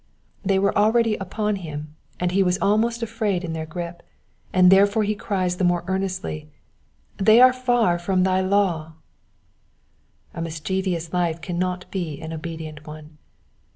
They were already upon him, and he was almost in their grip, and therefore he cries the more earnestly. ^'TTiey are far from thy /««>." A mischievous life cannot be an obedient one.